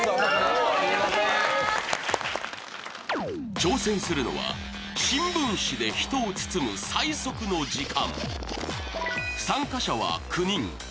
挑戦するのは新聞紙で人を包む最速の時間。